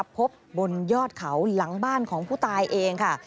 บนยอดเขาหลังบ้านของผู้ตายเองค่ะ